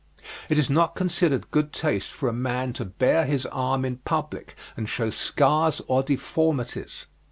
It is not considered good taste for a man to bare his arm in public and show scars or deformities.